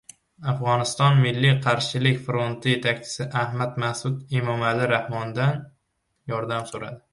Afg‘oniston milliy qarshilik fronti yetakchisi Ahmad Mas’ud Emomali Rahmondan yordam so‘radi